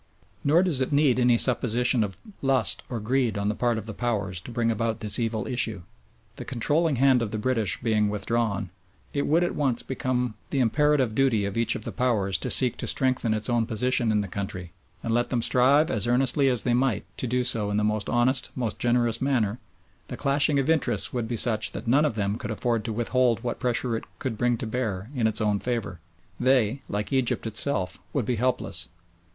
Nor does it need any supposition of lust or greed on the part of the Powers to bring about this evil issue. The controlling hand of the British being withdrawn, it would at once become the imperative duty of each of the Powers to seek to strengthen its own position in the country; and let them strive as earnestly as they might to do so in the most honest, most generous manner, the clashing of interests would be such that none of them could afford to withhold what pressure it could bring to bear in its own favour. They, like Egypt itself, would be helpless.